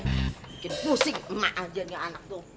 bikin pusing emak aja nih anak tuh